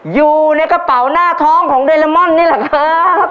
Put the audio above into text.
อยู่ในกระเป๋าหน้าท้องของเดลมอนนี่แหละครับ